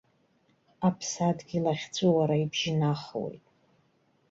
Аԥсадгьыл ахьҵәуара ибжьнахуеит.